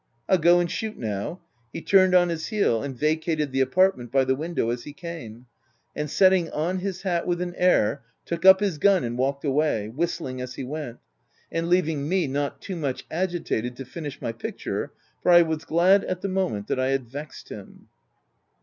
I'll go and shoot now," he turned on his heel, and vacated the apartment by the window as he came, and setting on his hat with an air, took up his gun and walked away, whist ling as he went — and leaving me not too much agitated to finish my picture ; for I was glad, at the moment, that I had vexed him.